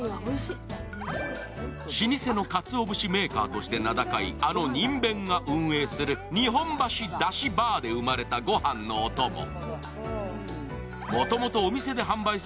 老舗のかつお節メーカーとして名高いあのにんべんが運営する日本橋だし場で生まれたごはんのおとも。